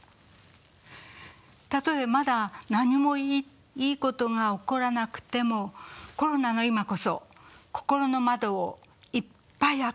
たとえまだ何もいいことが起こらなくてもコロナの今こそ心の窓をいっぱいあけてみましょう。